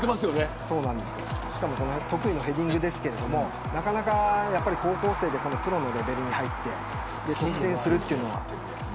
得意のヘディングですけどなかなか高校生でプロのレベルに入って得点するというのは。